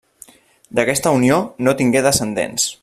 D'aquesta unió no tingué descendents.